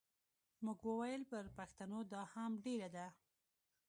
موږ وویل پر پښتنو دا هم ډېره ده.